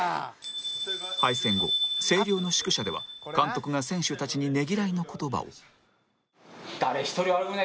敗戦後星稜の宿舎では監督が選手たちにねぎらいの言葉を